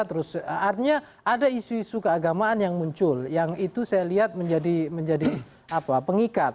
terus artinya ada isu isu keagamaan yang muncul yang itu saya lihat menjadi pengikat